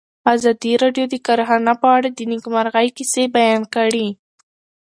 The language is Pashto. ازادي راډیو د کرهنه په اړه د نېکمرغۍ کیسې بیان کړې.